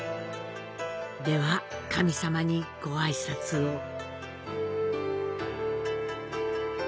では神様にご挨拶を。